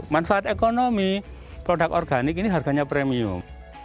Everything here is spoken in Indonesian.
manfaat ekonomi produk organik ini harganya premium